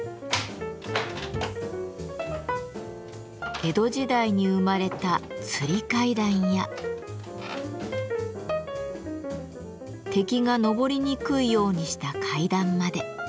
江戸時代に生まれた吊り階段や敵が上りにくいようにした階段まで。